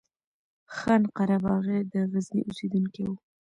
خان قرباغی د غزني اوسيدونکی وو